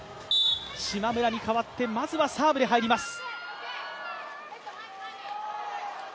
島村に代わってまずはサーブで入ります。